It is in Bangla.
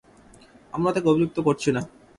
আমরা তাকে অভিযুক্ত করছি না।